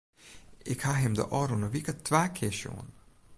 Ik ha him de ôfrûne wike twa kear sjoen.